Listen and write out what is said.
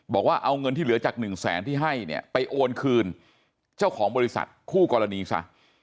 บอกว่าเอาเงินที่เหลือจากหนึ่งแสนที่ให้เนี่ยไปโอนคืนเจ้าของบริษัทคู่กรณีซะ